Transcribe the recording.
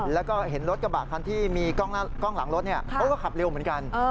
แล้วก็เห็นรถกระบะคันที่มีกล้องหลังรถเขาก็ขับเร็วเหมือนกัน